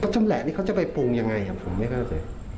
ก็ชำแหละนี้เขาจะไปปรุงอย่างไรครับ